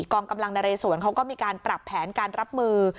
กองกำลังนเรสวนเขาก็มีการปรับแผนการรับมือ